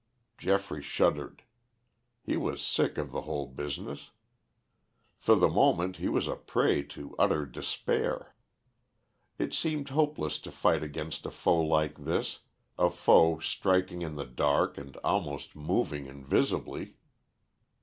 Geoffrey shuddered. He was sick of the whole business. For the moment he was a prey to utter despair. It seemed hopeless to fight against a foe like this, a foe striking in the dark and almost moving invisibly.